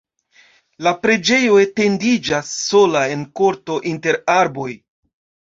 La preĝejo etendiĝas sola en korto inter arboj.